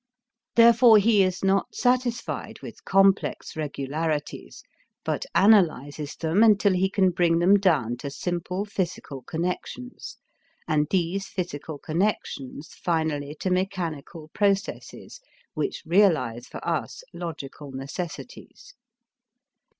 Therefore he is not satisfied with complex regularities, but analyzes them until he can bring them down to simple physical connections, and these physical connections finally to mechanical processes, which realize for us logical necessities.